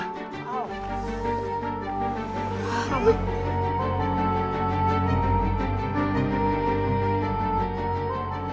yaudah ikut gue naik motor deh